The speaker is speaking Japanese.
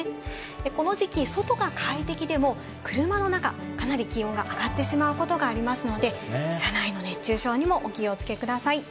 この時期、外が快適でも車の中、かなり気温が上がってしまうことがありますので、車内の熱中症にもお気をつけください。